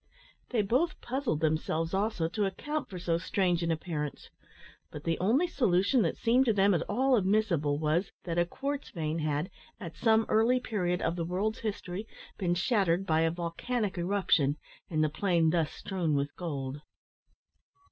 They both puzzled themselves also to account for so strange an appearance; but the only solution that seemed to them at all admissible was, that a quartz vein had, at some early period of the world's history, been shattered by a volcanic eruption, and the plain thus strewn with gold.